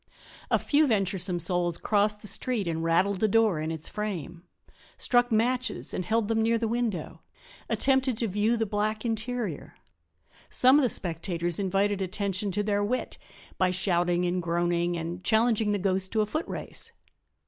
A few venturesome souls crossed the street and rattled the door in its frame; struck matches and held them near the window; attempted to view the black interior. Some of the spectators invited attention to their wit by shouting and groaning and challenging the ghost to a footrace.